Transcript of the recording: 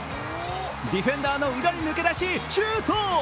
ディフェンダーの裏に抜け出しシュート。